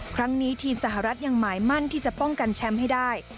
ทีมสหรัฐยังหมายมั่นที่จะป้องกันแชมป์ให้ได้